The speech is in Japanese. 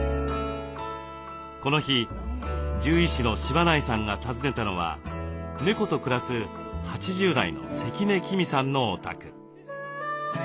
この日獣医師の柴内さんが訪ねたのは猫と暮らす８０代の関根喜美さんのお宅。